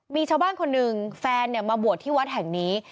มีชาวบ้านคนหนึ่งแฟนมาบวชที่วัดแห่งนี้